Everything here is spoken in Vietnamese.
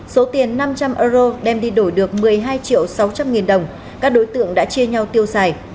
số tiền năm trăm linh euro đem đi đổi được một mươi hai triệu sáu trăm linh nghìn đồng các đối tượng đã chia nhau tiêu xài